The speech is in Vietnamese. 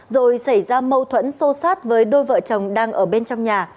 rồi xảy ra mâu thuẫn xô sát với đôi vợ chồng đang ở bên trong nhà